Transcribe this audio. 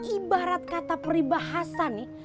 ibarat kata peribahasa nih